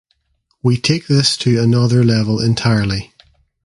we take this to another level entirely.